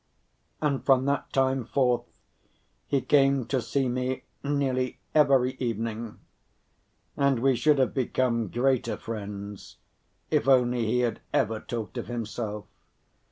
And from that time forth he came to see me nearly every evening. And we should have become greater friends, if only he had ever talked of himself.